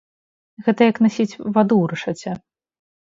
Гэта як насіць ваду ў рэшаце.